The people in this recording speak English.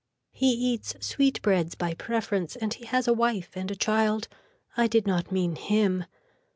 He eats sweetbreads by preference and he has a wife and a child. I did not mean him.